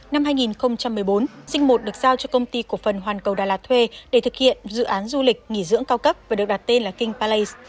năm hai nghìn một mươi bốn dinh một được giao cho công ty cổ phần hoàn cầu đà lạt thuê để thực hiện dự án du lịch nghỉ dưỡng cao cấp và được đặt tên là king palace